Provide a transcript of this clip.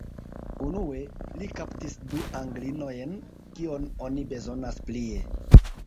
Unue, li kaptis du Anglinojn: kion oni bezonas plie?